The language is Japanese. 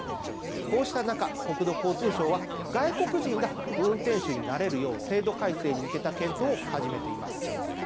こうした中、国土交通省は外国人が運転手になれるよう制度改正に向けた検討を始めています。